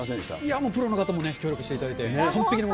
もう、プロの方も協力していただいて。